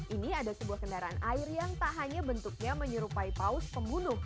ini ada sebuah kendaraan air yang tak hanya bentuknya menyerupai paus pembunuh